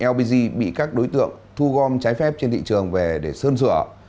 lbg bị các đối tượng thu gom trái phép trên thị trường về để sơn sửa